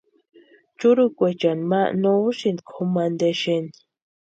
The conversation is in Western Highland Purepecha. Churukwaechani ma no úsïnti kʼumantani exeni.